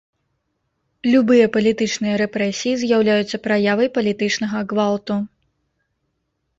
Любыя палітычныя рэпрэсіі з'яўляюцца праявай палітычнага гвалту.